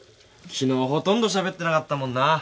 昨日ほとんどしゃべってなかったもんな。